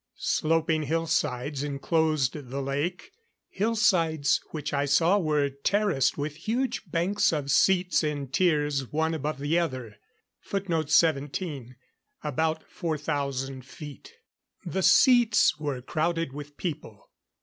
Sloping hillsides enclosed the lake hillsides which I saw were terraced with huge banks of seats in tiers one above the other. [Footnote 17: About 4,000 feet.] The seats were crowded with people.